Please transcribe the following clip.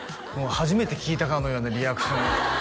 初めて聞いたかのようなリアクション